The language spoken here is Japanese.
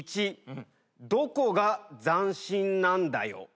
どこが斬新なんだよ。